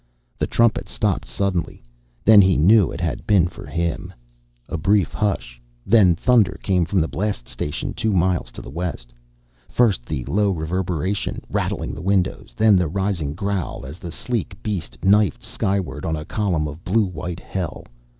The trumpet stopped suddenly. Then he knew it had been for him. A brief hush then thunder came from the blast station two miles to the west. First the low reverberation, rattling the windows, then the rising growl as the sleek beast knifed skyward on a column of blue white hell.